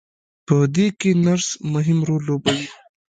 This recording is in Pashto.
په دې کې نرس مهم رول لوبوي.